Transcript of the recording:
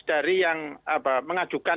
dari yang mengajukan